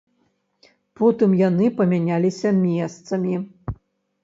Потым яны памяняліся месцамі.